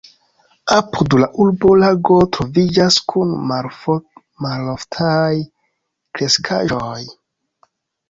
Apud la urbo lago troviĝas kun maloftaj kreskaĵoj.